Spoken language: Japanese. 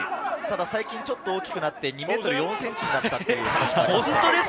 最近ちょっと大きくなって、２ｍ４ｃｍになったという話もあります。